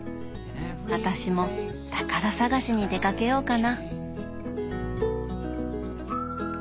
私も宝探しに出かけようかな。